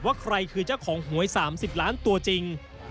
ว่าใครคือเจ้าของหวย๓๐ล้านตัวจริง